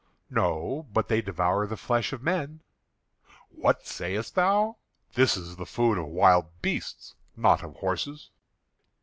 "No, but they devour the flesh of men." "What sayest thou? This is the food of wild beasts, not of horses."